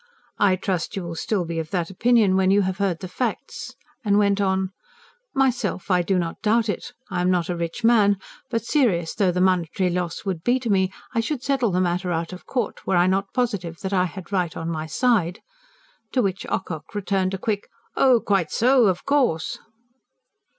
"I trust you will still be of that opinion when you have heard the facts." And went on: "Myself, I do not doubt it. I am not a rich man, but serious though the monetary loss would be to me, I should settle the matter out of court, were I not positive that I had right on my side." To which Ocock returned a quick: "Oh, quite so ... of course."